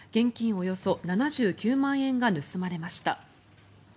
およそ７９万円が盗まれました。